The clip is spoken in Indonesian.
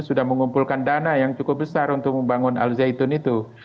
sudah mengumpulkan dana yang cukup besar untuk membangun al zaitun itu